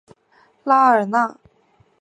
拉尔纳。